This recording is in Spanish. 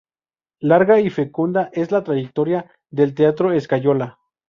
Larga y fecunda es la trayectoria del Teatro Escayola.